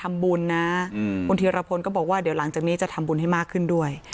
ทำบุญนะคุณธีรพลก็บอกว่าเดี๋ยวหลังจากนี้จะทำบุญให้มากขึ้นด้วย